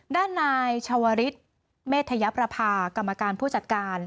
ด้านนายชาวริสเมธยประพากรรมการผู้จัดการ